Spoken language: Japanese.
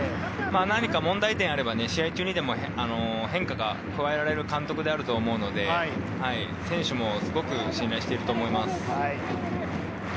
何か問題点があれば試合中にでも変化が加えられる監督であると思うので選手もすごく信頼してると思います。